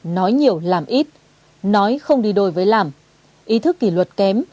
nói nhiều làm ít nói không đi đôi với làm ý thức kỷ luật kém